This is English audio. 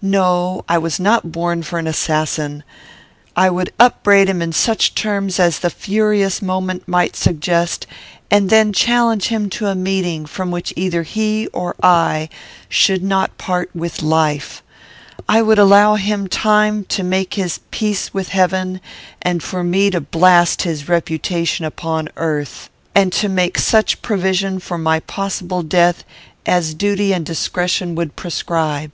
"'No. I was not born for an assassin. I would upbraid him in such terms as the furious moment might suggest, and then challenge him to a meeting, from which either he or I should not part with life. I would allow time for him to make his peace with Heaven, and for me to blast his reputation upon earth, and to make such provision for my possible death as duty and discretion would prescribe.